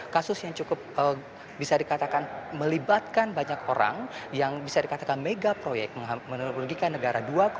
kasus yang cukup bisa dikatakan melibatkan banyak orang yang bisa dikatakan megaproyek menurungikan negara